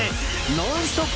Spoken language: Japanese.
ノンストップ！